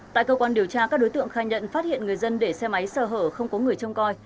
tại cơ quan điều tra các đối tượng khai nhận phát hiện người dân để xe máy sờ hở không có người trông coi